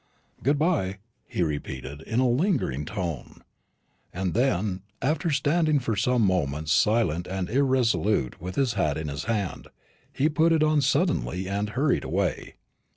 "Good bye," he repeated, in a lingering tone; and then, after standing for some moments silent and irresolute, with his hat in his hand, he put it on suddenly and hurried away.